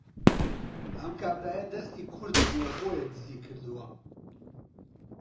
ئەم کابرایە دەستی کورت بووە بۆیە دزی کردووە